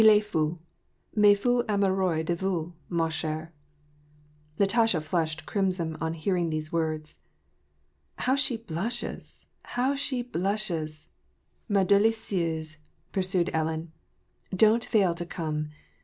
U estfoUy maisfou amoureux de vousy ma chere," Natasha flushed crimson on hearing those words. " How she blushes ! How she blushes, ma delicieusej'^ pur sued Ellen. " Don't fail to come.